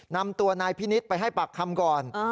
นำตัวนายพินิษฐ์ไปให้ปากคำก่อน